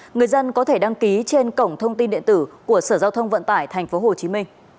người dân có thể đăng ký trên cổng thông tin điện tử của sở giao thông vận tải tp hcm